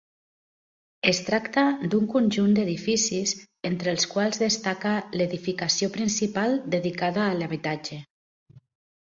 Es tracta d'un conjunt d'edificis, entre els quals destaca l'edificació principal dedicada a l'habitatge.